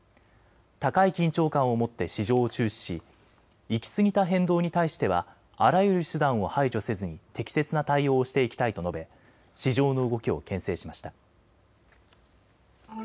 高い緊張感を持って市場を注視し行きすぎた変動に対してはあらゆる手段を排除せずに適切な対応をしていきたいと述べ市場の動きをけん制しました。